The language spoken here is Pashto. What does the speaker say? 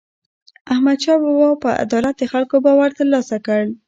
احمدشاه بابا په عدالت د خلکو باور ترلاسه کړ.